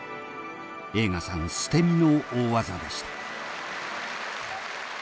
栄花さん捨て身の大技でした。